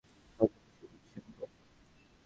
হয়তো খুনি পুলিশের লোক।